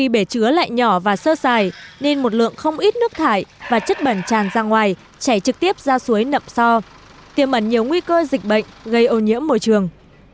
bãi xơ xài nên một lượng không ít nước thải và chất bẩn tràn ra ngoài chảy trực tiếp ra suối nậm so tiêm ẩn nhiều nguy cơ dịch bệnh gây ô nhiễm môi trường